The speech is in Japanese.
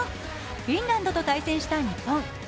フィンランドと対戦した日本。